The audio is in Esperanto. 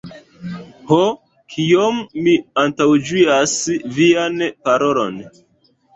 Ho, kiom mi antaŭĝuas vian parolon!